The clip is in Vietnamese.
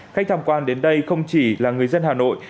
khách tham quan đến đây không chỉ là người dân hà nội